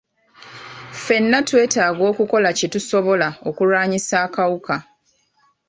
Ffenna twetaaga okukola kye tusobola okulwanyisa akawuka.